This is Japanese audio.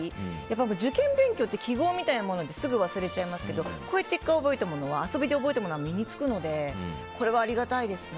受験勉強は記号みたいなものってすぐ忘れちゃいますけどこうやって１回遊びで覚えたものは身に付くのでこれはありがたいですね。